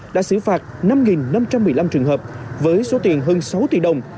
đã xử phạt năm năm trăm một mươi năm trường hợp với số tiền hơn sáu tỷ đồng